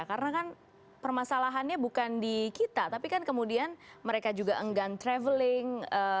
karena kan permasalahannya bukan di kita tapi kan kemudian mereka juga enggan traveling